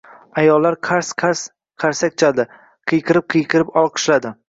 Ayollar qars-qars qarsak chaldi. Qiyqirib-qiyqirib olqishladi.